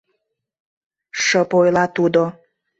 — шып ойла тудо.